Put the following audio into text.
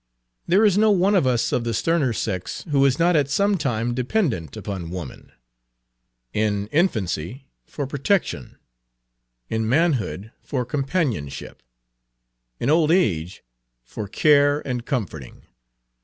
There is no one of us of the sterner sex who is not at some time dependent upon woman, in infancy for protection, in manhood for companionship, in old age for care and comforting.